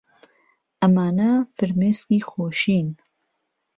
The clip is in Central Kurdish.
ئەمانە فرمێسکی خۆشین.